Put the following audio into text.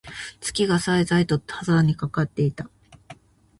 月が冴え冴えと空にかかっていた。